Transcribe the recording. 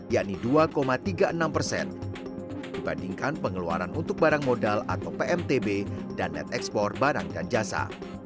yakni dua tiga puluh enam dibandingkan pengeluaran untuk barang modal atau pmtb dan net ekspor barang dan jasa